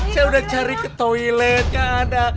saya udah cari ke toilet gak ada